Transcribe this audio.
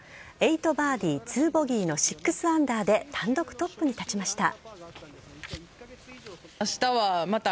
８バーディー、２ボギーの６アンダーで単独トップに立ちました。